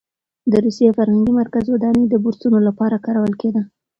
د روسي فرهنګي مرکز ودانۍ د بورسونو لپاره کارول کېده.